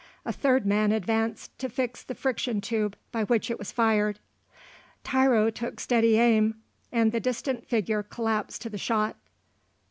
A third man advanced to fix the friction tube by which it was fired. Tiro took steady aim and the distant figure collapsed to the shot.